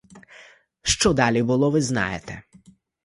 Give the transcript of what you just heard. Що далі було, ви знаєте.